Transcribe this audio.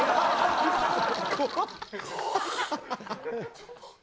怖っ！